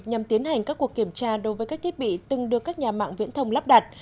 nhằm tiến hành các cuộc kiểm tra đối với các thiết bị từng được các nhà mạng viễn thông lắp đặt